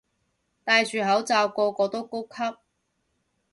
戴住口罩個個都高級